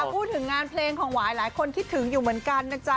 พูดถึงงานเพลงของหวายหลายคนคิดถึงอยู่เหมือนกันนะจ๊ะ